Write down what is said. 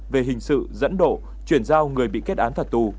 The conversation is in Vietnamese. về hình sự dẫn độ chuyển giao người bị kết án phạt tù